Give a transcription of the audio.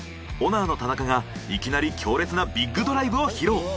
オナーの田中がいきなり強烈なビッグドライブを披露。